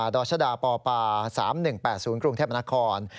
ดรชดาปป๓๑๘๐กรุงเทพนคร